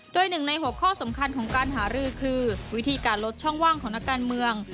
โดย๑ใน๖ข้อสำคัญของการหารือคือวิธีการลดช่องว่างของนักการเมือง